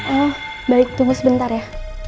oh baik tunggu sebentar ya